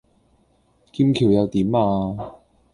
劍橋又點呀?